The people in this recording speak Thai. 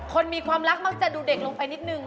คนมีความรักมักจะดูเด็กลงไปนิดนึง